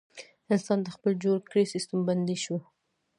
انسان د خپل جوړ کړي سیستم بندي شو.